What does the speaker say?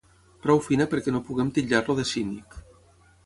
prou fina perquè no poguem titllar-lo de cínic